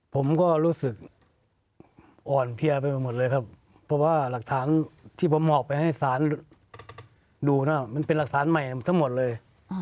ผมก็รู้สึกอ่อนเพลียไปหมดเลยครับเพราะว่าหลักฐานที่ผมออกไปให้สารดูนะมันเป็นหลักฐานใหม่ทั้งหมดเลย